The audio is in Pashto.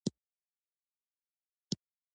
ژبه د همږغی وسیله ده.